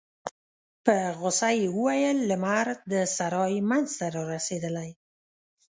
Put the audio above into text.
په غوسه يې وویل: لمر د سرای مينځ ته رارسيدلی.